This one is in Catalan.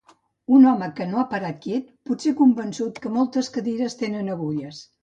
Un home que no ha parat quiet, potser convençut que moltes cadires tenen agulles.